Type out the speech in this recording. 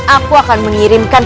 aku akan mengirimkan